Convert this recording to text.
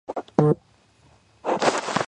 ამ დროს მის წინააღმდეგ აჯანყდა გაუმატა.